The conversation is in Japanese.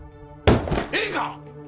ええか！